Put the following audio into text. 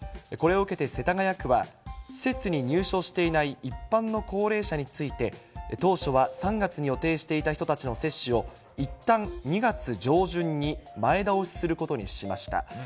これを受けて世田谷区は、施設に入所していない一般の高齢者について、当初は３月に予定していた人たちの接種をいったん２月上旬に前倒しすることにしました。